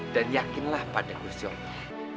dan yakinlah pada gusti allah